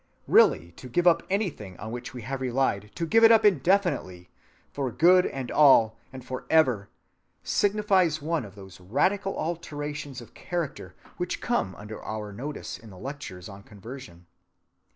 Really to give up anything on which we have relied, to give it up definitively, "for good and all" and forever, signifies one of those radical alterations of character which came under our notice in the lectures on conversion.